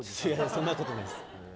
そんなことないです。